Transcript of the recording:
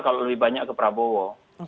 kalau lebih banyak ke prabowo